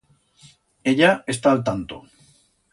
Ella está a'l tanto.